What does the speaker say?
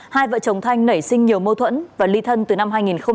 hai vợ chồng thanh nảy sinh nhiều mâu thuẫn và ly thân từ năm hai nghìn một mươi